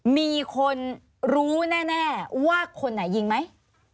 มีคนรู้แน่ว่าคนไหนยิงไหม